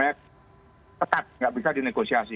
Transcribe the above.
tidak bisa dinegosiasi